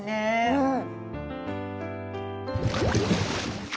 うん。